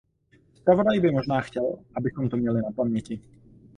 Zpravodaj by možná chtěl, abychom to měli na paměti.